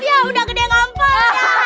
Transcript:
ya udah gede ngompl